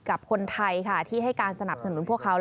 กับคนไทยค่ะที่ให้การสนับสนุนพวกเขา